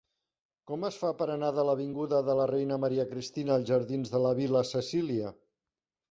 Com es fa per anar de l'avinguda de la Reina Maria Cristina als jardins de la Vil·la Cecília?